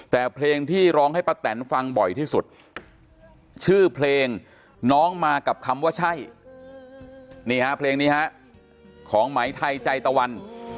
แต่เพลงที่ร้องให้ป้าแตนฟังบ่อยที่สุดชื่อเพลงน้องมากับคำว่าใช่นี่ฮะเพลงนี้ฮะของไหมไทยใจตะวัน